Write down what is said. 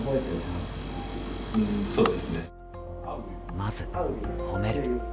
まず褒める。